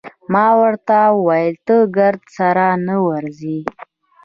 ما ورته وویل: ته ګرد سره نه ورځې؟